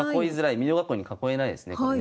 美濃囲いに囲えないですねこれね。